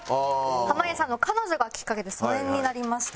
濱家さんの彼女がきっかけで疎遠になりました。